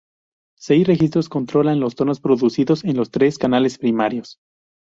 Seis registros controlan los tonos producidos en los tres canales primarios.